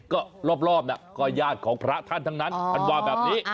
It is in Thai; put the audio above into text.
ก็รอบก็ญาติของพระท่านทั้งนั้นท่านว่าแบบนี้